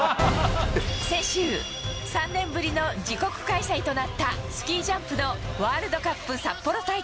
先週、３年ぶりの自国開催となった、スキージャンプのワールドカップ札幌大会。